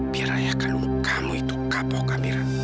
biar ayah kandung kamu itu kapok amira